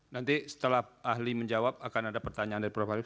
nanti setelah ahli menjawab akan ada pertanyaan dari prof arief